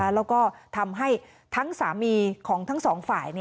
แล้วก็ทำให้ทั้งสามีของทั้งสองฝ่าย